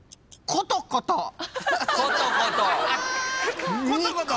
「ことこと」